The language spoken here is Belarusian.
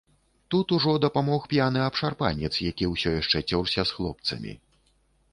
Тут ужо дапамог п'яны абшарпанец, які ўсё яшчэ цёрся з хлопцамі.